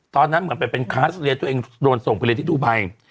เหมือนไปเป็นคลาสเรียนตัวเองโดนส่งไปเรียนที่ดูไบ